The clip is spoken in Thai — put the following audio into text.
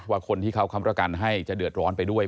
ว่าคนที่เขาค้ำประกันให้จะเดือดร้อนไปด้วย